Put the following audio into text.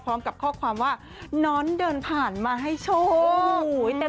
พร้อมกับข้อความว่าน้อนเดินผ่านมาให้โชค